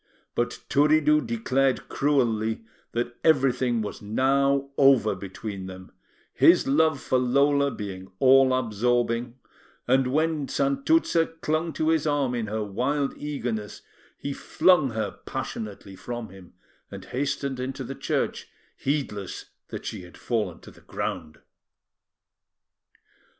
But Turiddu declared cruelly that everything was now over between them, his love for Lola being all absorbing, and when Santuzza clung to his arm in her wild eagerness, he flung her passionately from him, and hastened into the church, heedless that she had fallen to the ground.